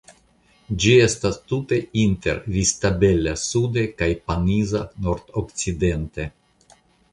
Ĝi estas tute inter Vistabella sude kaj Paniza nordokcidente.